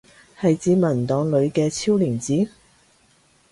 係指文檔裏嘅超連接？